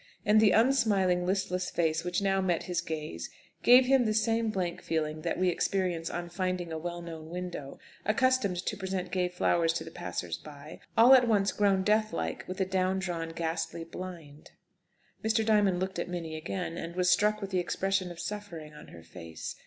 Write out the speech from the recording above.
And the unsmiling, listless face which now met his gaze, gave him the same blank feeling that we experience on finding a well known window, accustomed to present gay flowers to the passers by, all at once grown death like with a down drawn ghastly blind. Mr. Diamond looked at Minnie again, and was struck with the expression of suffering on her face.